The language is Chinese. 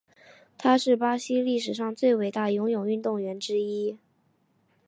他是巴西历史上最伟大游泳运动员之一。